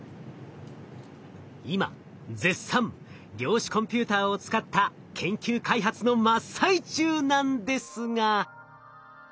今絶賛量子コンピューターを使った研究開発の真っ最中なんですが。